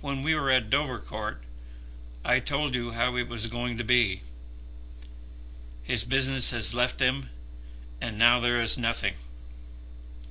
When we were at Dovercourt, I told you how it was going to be. His business has left him, and now there is nothing.